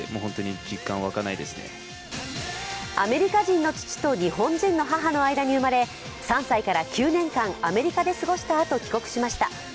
アメリカ人の父と日本人の母の間に生まれ、３歳から９年間、アメリカで過ごしたあと帰国しました。